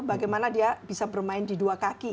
bagaimana dia bisa bermain di dua kaki